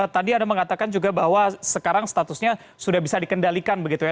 tadi anda mengatakan juga bahwa sekarang statusnya sudah bisa dikendalikan begitu ya